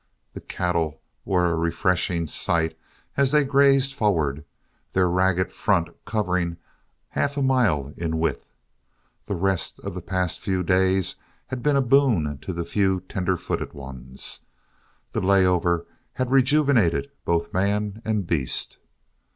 The cattle were a refreshing sight as they grazed forward, their ragged front covering half a mile in width. The rest of the past few days had been a boon to the few tender footed ones. The lay over had rejuvenated both man and beast.